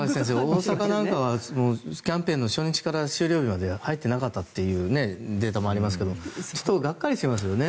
大阪なんかはキャンペーン初日から終了まで入ってなかったというデータもありますけどがっかりしますよね